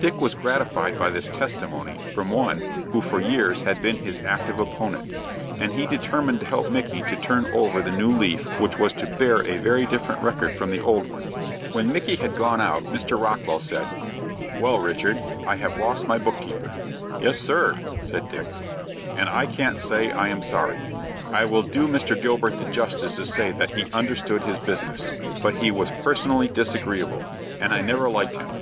Dick was gratified by this testimony from one who for years had been his active opponent, and he determined to help Micky to turn over the new leaf which was to bear a very different record from the old one. When Micky had gone out, Mr. Rockwell said, "Well, Richard, I have lost my book keeper." "Yes, sir," said Dick. "And I can't say I am sorry. I will do Mr. Gilbert the justice to say that he understood his business; but he was personally disagreeable, and I never liked him.